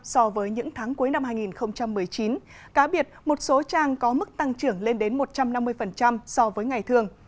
so với những tháng cuối năm hai nghìn một mươi chín cá biệt một số trang có mức tăng trưởng lên đến một trăm năm mươi so với ngày thường